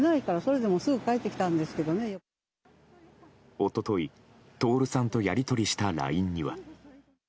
一昨日、徹さんとやり取りしたＬＩＮＥには。